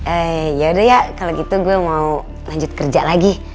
eh yaudah ya kalau gitu gue mau lanjut kerja lagi